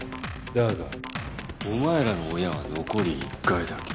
だがお前らの親は残り１回だけ。